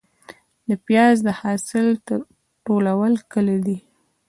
د پیاز د حاصل ټولول کله دي؟